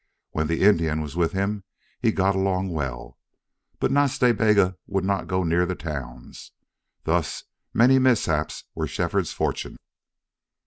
When the Indian was with him he got along well, but Nas Ta Bega would not go near the towns. Thus many mishaps were Shefford's fortune.